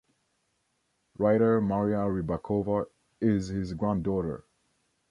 Writer Maria Rybakova is his granddaughter.